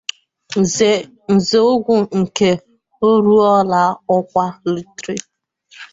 Nzeọgwụ nke ruola ọkwa “Lt